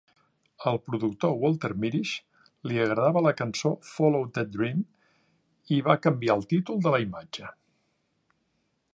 Al productor Walter Mirisch li agradava la cançó "Follow that Dream" i ha va canviar el títol de la imatge.